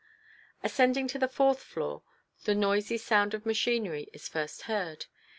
Ascending to the fourth floor, the noisy sound of machinery is first heard.